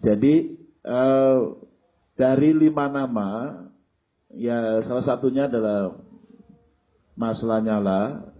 jadi dari lima nama ya salah satunya adalah maslanyalah